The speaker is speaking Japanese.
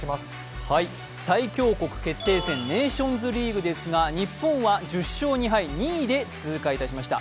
最強国決定戦ネーションズリーグですが日本は１０勝２敗、２位で通過しました